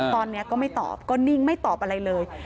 ตอนนี้ก็ไม่ตอบก็นิ่งไม่ตอบอะไรเลย